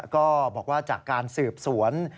ก็บอกว่าจากการสืบสวน